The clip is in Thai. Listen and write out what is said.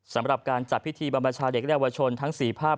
สำหรับการจัดพิธีบรรพชาเด็กและเยาวชนทั้ง๔ภาพ